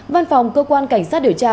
văn phòng cơ quan cảnh sát điều tra